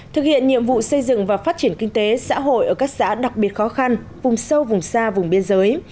thực hiện nhiệm vụ xây dựng và phát triển kinh tế xã hội ở các xã đặc biệt khó khăn vùng sâu vùng xa vùng biên giới